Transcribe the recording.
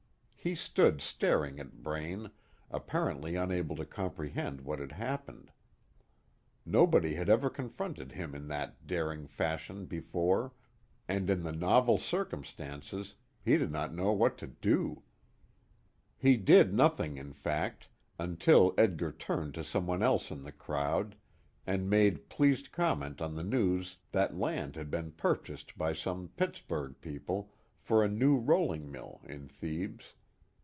He stood staring at Braine, apparently unable to comprehend what had happened. Nobody had ever confronted him in that daring fashion before, and in the novel circumstances he did not know what to do. He did nothing in fact, until Edgar turned to some one else in the crowd, and made pleased comment on the news that land had been purchased by some Pittsburg people for a new rolling mill in Thebes.